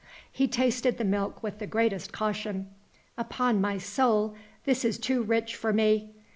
He tasted the milk with the greatest caution. "Upon my soul, this is too rich for me!